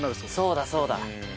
そうだそうだ。